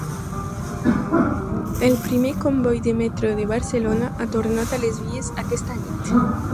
El primer comboi de metro de Barcelona ha tornat a les vies aquesta nit.